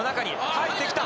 入ってきた！